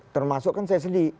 termasuk kan saya sendiri